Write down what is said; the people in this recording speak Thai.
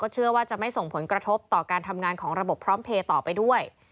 เชื่อว่าจะไม่ส่งผลกระทบต่อการทำงานของระบบพร้อมเพลย์ต่อไปด้วย